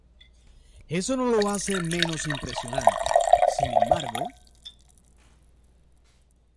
Eso no lo hace menos impresionante, sin embargo.